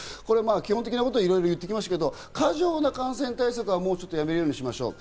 基本的なことを言ってきましたけど、過剰な感染対策はもうやめるようにしましょう。